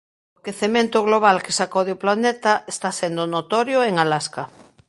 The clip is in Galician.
O quecemento global que sacode o planeta está sendo notorio en Alasca.